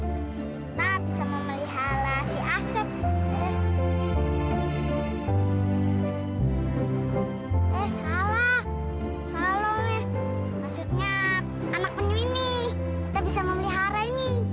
kita bisa memelihara si aset eh salah selalu maksudnya anak penyu ini kita bisa memelihara ini